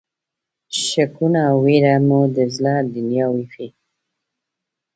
شکونه او وېره مو د زړه دنیا وېشي.